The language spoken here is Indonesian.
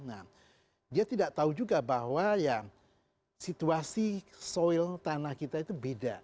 nah dia tidak tahu juga bahwa ya situasi soil tanah kita itu beda